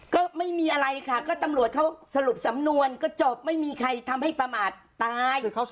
ก็ไม่มีอะไรค่ะก็ตำรวจเขาสรุปสำนวนก็จบไม่มีใครทำให้ประมาทตาย